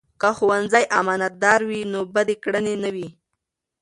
که ښوونځي امانتدار وي، نو بدې کړنې نه وي.